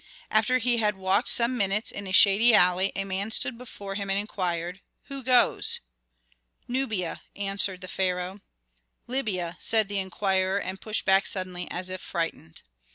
After he had walked some minutes in a shady alley a man stood before him and inquired, "Who goes?" "Nubia," answered the pharaoh. "Libya," said the inquirer, and pushed back suddenly, as if frightened.